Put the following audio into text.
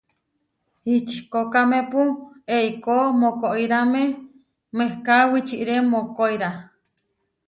Ihčikókamepu eikó mokóirame mehká wičiré mokoirá.